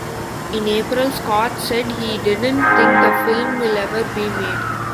In April, Scott said he didn't think the film will ever be made.